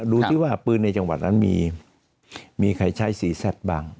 รูดิว่าปืนในจังหวัดมีใครใช้ซีแซปบาง